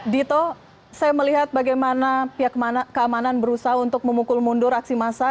dito saya melihat bagaimana pihak keamanan berusaha untuk memukul mundur aksi massa